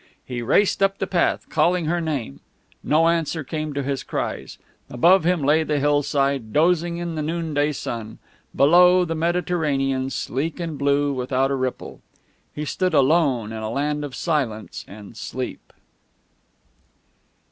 He raced up the path, calling her name. No answer came to his cries. Above him lay the hillside, dozing in the noonday sun; below, the Mediterranean, sleek and blue, without a ripple. He stood alone in a land of silence and sleep.